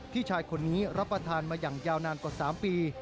ชายคนนี้รับประทานมาอย่างยาวนานกว่า๓ปี